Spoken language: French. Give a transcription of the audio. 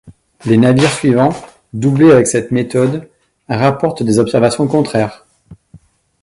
Les navires suivants, doublés avec cette méthode, rapportent des observations contraires.